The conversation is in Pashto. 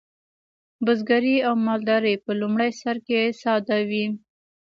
بزګري او مالداري په لومړي سر کې ساده وې.